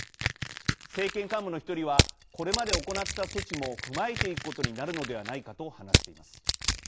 政権幹部の１人は「これまで行った措置も踏まえていくことになるのではないか」と話しています。